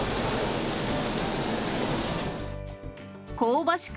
香ばしく